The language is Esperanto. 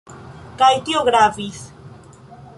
Kaj tio gravis.